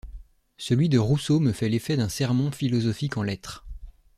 Celui de Rousseau me fait l’effet d’un sermon philosophique en lettres.